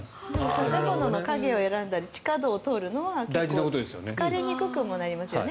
建物の影を選んだり地下道を歩くのは結構、疲れにくくもなりますよね。